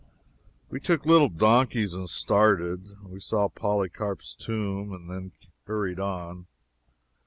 We took little donkeys and started. We saw Polycarp's tomb, and then hurried on.